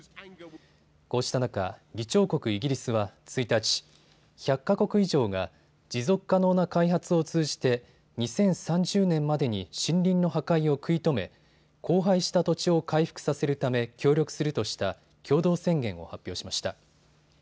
こうした中、議長国イギリスは１日、１００か国以上が持続可能な開発を通じて２０３０年までに森林の破壊を食い止め荒廃した土地を回復させるため協力するとした共同宣言を発表しました。